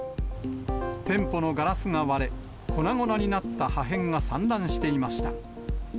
店舗のガラスが割れ、粉々になった破片が散乱していました。